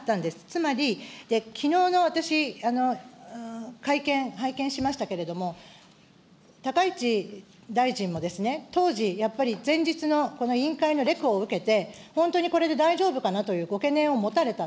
つまり、きのうの、私、会見拝見しましたけれども、高市大臣も当時、やっぱり前日のこの委員会のレクを受けて、本当にこれで大丈夫かなというご懸念を持たれた。